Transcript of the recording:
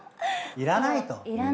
いらないと。